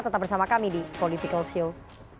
tetap bersama kami di political show